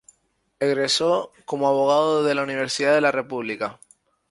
Egresó como abogado de la Universidad de la República.